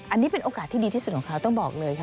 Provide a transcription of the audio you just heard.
อันนี้เป็นโอกาสที่ดีที่สุดของเขาต้องบอกเลยค่ะ